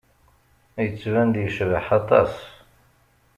Yettban-d yecbeḥ aṭas.